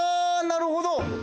なるほど。